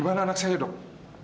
pak aku mau pergi